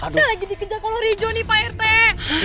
saya lagi dikejar kolor hijau nih pak rete